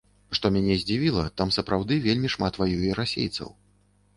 Што мяне здзівіла, там сапраўды вельмі шмат ваюе расейцаў.